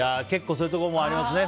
そういうところもありますよね。